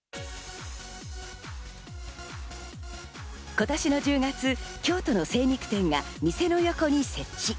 今年の１０月、京都の精肉店が店の横に設置。